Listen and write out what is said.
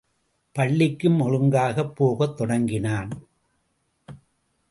பள்ளிக்கும் ஒழுங்காகப் போகத் தொடங்கினான்.